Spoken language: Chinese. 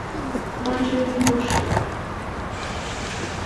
官至都御史。